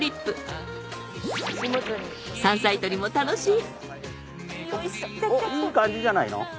いい感じじゃないの？